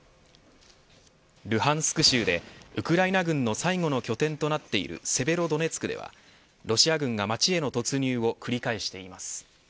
ルハンスク州でウクライナ軍の最後の拠点となっているセベロドネツクではロシア軍が街への突入を繰り返しています。